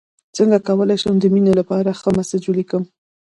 څنګه کولی شم د مینې لپاره ښه میسج ولیکم